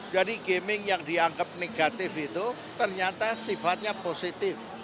jadi gaming yang dianggap negatif itu ternyata sifatnya positif